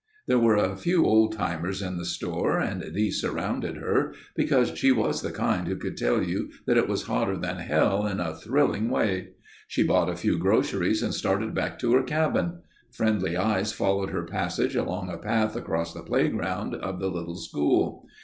There were a few old timers in the store and these surrounded her—because she was the kind who could tell you that it was hotter than hell, in a thrilling way. She bought a few groceries and started back to her cabin. Friendly eyes followed her passage along a path across the playground of the little school.